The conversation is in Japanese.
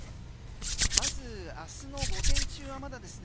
まず明日の午前中はまだですね